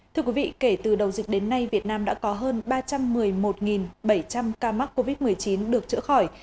thưa quý vị kể từ đầu dịch đến nay việt nam đã có hơn ba trăm một mươi một bảy trăm linh ca mắc covid một mươi chín được chữa khỏi